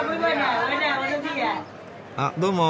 あっどうも。